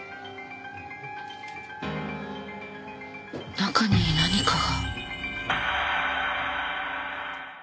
中に何かが。